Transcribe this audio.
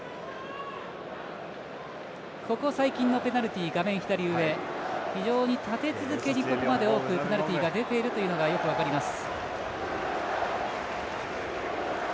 ここ最近のペナルティ、左上非常に立て続けに、ここまで多くペナルティが出ているというのがよく分かります。